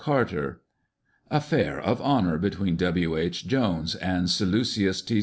Carter;" "Affair of honour between W. H. Jones and Salucius T.